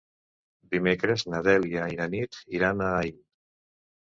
Dimecres na Dèlia i na Nit iran a Aín.